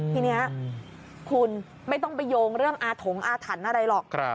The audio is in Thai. ทีนี้คุณไม่ต้องไปโยงเรื่องอาถงอาถรรพ์อะไรหรอก